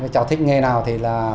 cháu thích nghề nào thì